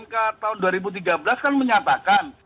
kalau putusan mk tahun dua ribu tiga belas kan menyatakan